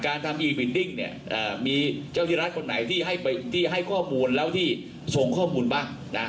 ทำอีเวนดิ้งมีเจ้าที่รัฐคนไหนที่ให้ข้อมูลแล้วที่ส่งข้อมูลบ้าง